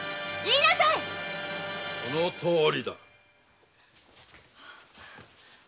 そのとおりだ。